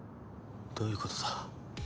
どういうことだ？